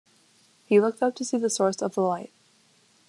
He looked up to see the source of the light.